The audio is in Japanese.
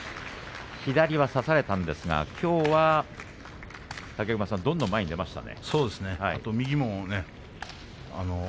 左は差されたんですがきょうは、どんどん前に出ましたね。